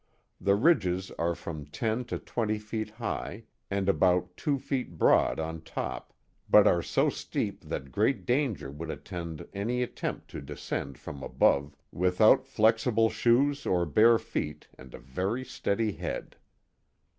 The ridges are from ten to twenty feet high, and about two feet broad on top, but are so steep that great danger would attend any attempt to descend from above without flexible shoes or bare feet and a very steady head.